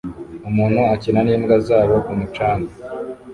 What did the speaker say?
Umuntu ukina n'imbwa zabo ku mucanga